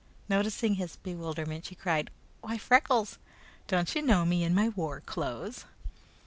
Noticing his bewilderment, she cried: "Why, Freckles! Don't you know me in my war clothes?"